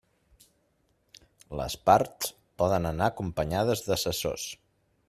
Les parts poden anar acompanyades d'assessors.